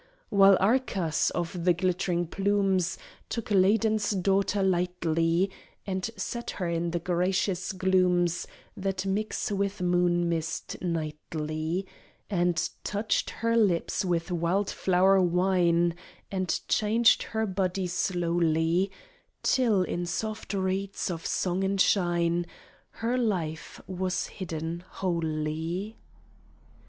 While Arcas, of the glittering plumes, Took Ladon's daughter lightly, And set her in the gracious glooms That mix with moon mist nightly; And touched her lips with wild flower wine, And changed her body slowly, Till, in soft reeds of song and shine, Her life was hidden wholly.